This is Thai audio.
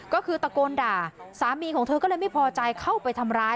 ก็คือตะโกนด่าสามีของเธอก็เลยไม่พอใจเข้าไปทำร้าย